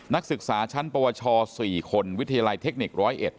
นักศึกษาชั้นปวช๔คนวิทยาลัยเทคนิค๑๐๑